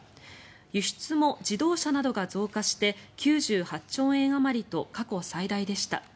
輸出も自動車などが増加して９８兆円あまりと過去最大でした。